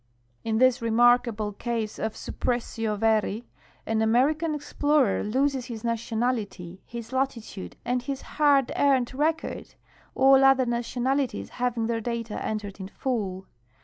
In this remarkable case o( s>(j>prcnsio vert an American explorer loses his nationality^ his latitude, and his hard earned record, all other nationalities having their data entered in full.